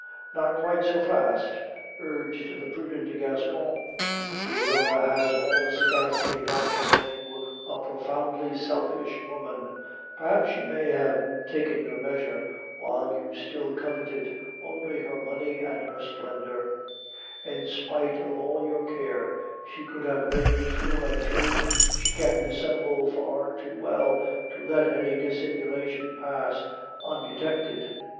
"'Not quite so fast,' urged the prudent Gascon; 'Foedora has all the sagacity natural to a profoundly selfish woman; perhaps she may have taken your measure while you still coveted only her money and her splendor; in spite of all your care, she could have read you through and through. She can dissemble far too well to let any dissimulation pass undetected.